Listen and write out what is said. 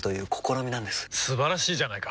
素晴らしいじゃないか！